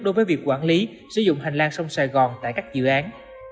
đối với việc quản lý sử dụng hành lang sông sài gòn tại các dự án